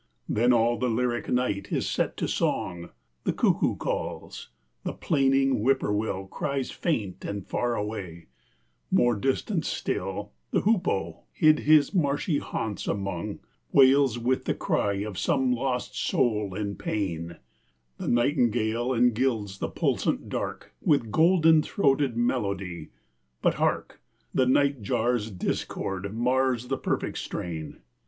Then all the lyric night is set to song! The cuckoo calls, the plaining whippoorwill Cries faint and far away; more distant still The hoopoe, hid his marshy haunts among, Wails with the cry of some lost soul in pain; The nightingale engilds the pulsant dark With golden throated melody but hark! The night jar's discord mars the perfect strain.